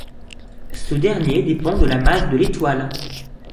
Ce dernier dépend de la masse de l'étoile.